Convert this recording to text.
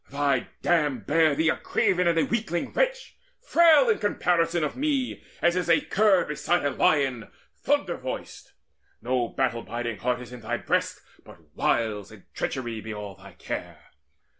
Thy dam Bare thee a craven and a weakling wretch Frail in comparison of me, as is A cur beside a lion thunder voiced! No battle biding heart is in thy breast, But wiles and treachery be all thy care.